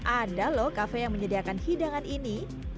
ada loh kafe yang menyediakan hidangan ini